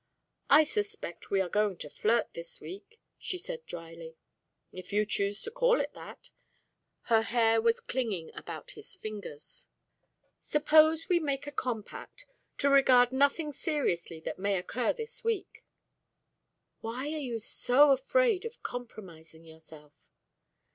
"I suspect we are going to flirt this week," she said, drily. "If you choose to call it that." Her hair was clinging about his fingers. "Suppose we make a compact to regard nothing seriously that may occur this week." "Why are you so afraid of compromising yourself?"